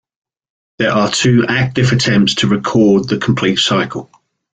There are two active attempts to record the complete cycle.